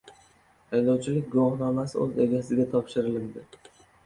Haydovchilik guvohnomasi oʻz egasiga topshirilibdi.